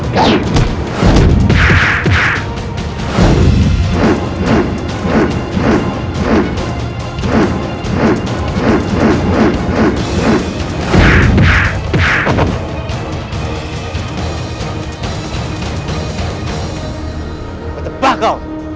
aku akan mencari kebaikanmu